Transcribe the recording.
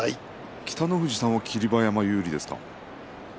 北の富士さんは霧馬山有利ですか。